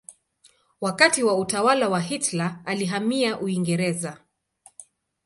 Wakati wa utawala wa Hitler alihamia Uingereza.